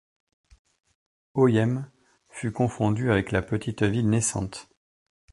Oyem fut confondu avec la petite ville naissante.